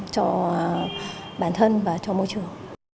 cho bản thân và cho môi trường